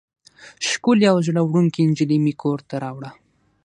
ښکلې او زړه وړونکې نجلۍ مې کور ته راوړه.